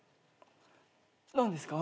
何ですか？